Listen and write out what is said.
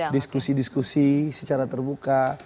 diskusi diskusi secara terbuka